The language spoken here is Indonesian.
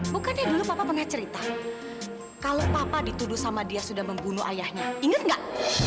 bukannya dulu papa pernah cerita kalau papa dituduh sama dia sudah membunuh ayahnya ingat nggak